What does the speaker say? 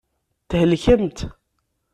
Thelkemt.